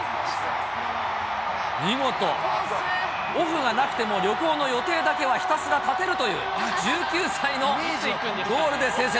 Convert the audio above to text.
見事、オフがなくても旅行の予定だけはひたすら立てるという１９歳のゴールで先制。